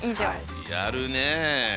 やるねえ。